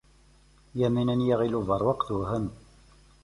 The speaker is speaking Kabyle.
Yamina n Yiɣil Ubeṛwaq tewhem.